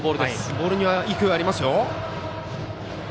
ボールに勢いありますよ。